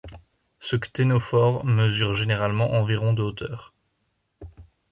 Ce cténophore mesure généralement environ de hauteur.